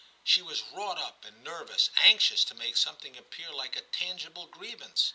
She was wrought up and nervous, anxious to make something appear like a tangible grievance.